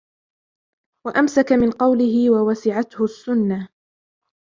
وَأَمْسَكَ مِنْ قَوْلِهِ وَوَسِعَتْهُ السُّنَّةُ